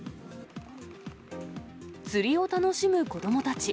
釣りを楽しむ子どもたち。